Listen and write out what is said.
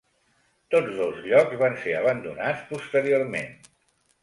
Tots dos llocs van ser abandonats posteriorment.